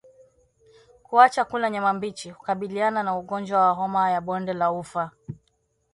Kuacha kula nyama mbichi hukabiliana na ugonjwa wa homa ya bonde la ufa